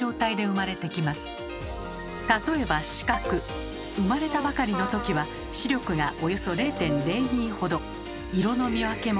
生まれたばかりの時は視力がおよそ０．０２ほど。